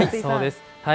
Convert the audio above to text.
そうです。